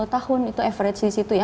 empat puluh tahun itu average disitu ya